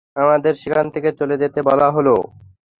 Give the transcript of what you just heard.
আমাদেরকে সেখান থেকে চলে যেতে বলা হলো।